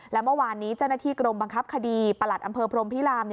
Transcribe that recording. และเมื่อวานนี้เจ้าหน้าที่กรมบังคับคดีประหลัดอำเภอพรมพิราม